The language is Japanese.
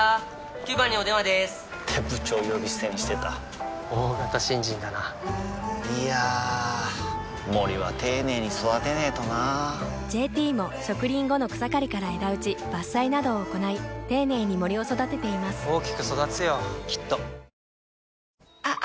９番にお電話でーす！って部長呼び捨てにしてた大型新人だないやー森は丁寧に育てないとな「ＪＴ」も植林後の草刈りから枝打ち伐採などを行い丁寧に森を育てています大きく育つよきっとああちょっとお聞きしたいの。